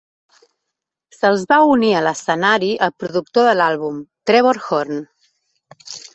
Se'ls va unir a l'escenari el productor de l'àlbum, Trevor Horn.